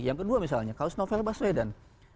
yang kedua misalnya kalau snowvel baswedan